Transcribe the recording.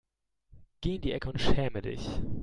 Geh in die Ecke und schäme dich.